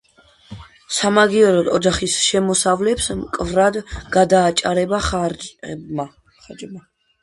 სამაგიეროდ ოჯახის შემოსავლებს მკვეთრად გადააჭარბა ხარჯებმა.